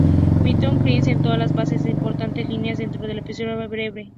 Milton Erickson sentó las bases de importantes líneas dentro de la psicoterapia breve.